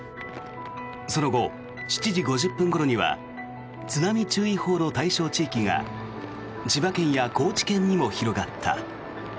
その後、７時５０分ごろには津波注意報の対象地域が千葉県や高知県にも広がった。